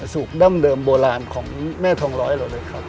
สูตรดั้งเดิมโบราณของแม่ทองร้อยเราเลยครับ